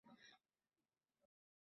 Bir vaqtlar undan huzurlanganmiz